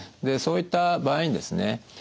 そういった場合にですね